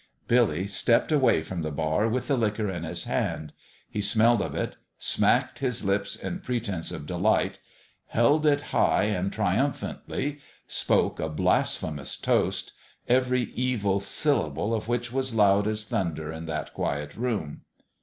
Billy stepped away from the bar with the liquor in his hand. He smelled of it smacked his lips in pretense of delight held it high and triumphantly spoke a blasphemous toast, every evil syllable of which was loud as thunder in that quiet room.